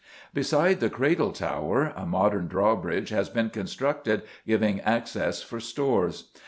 Beside the Cradle Tower a modern drawbridge has been constructed giving access for stores.